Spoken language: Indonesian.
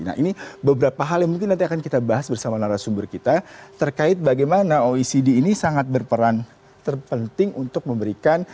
nah ini beberapa hal yang mungkin nanti akan kita bahas bersama narasumber kita terkait bagaimana oecd ini sangat berperan terpenting untuk memberikan